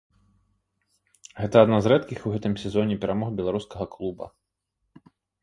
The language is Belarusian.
Гэта адна з рэдкіх у гэтым сезоне перамог беларускага клуба.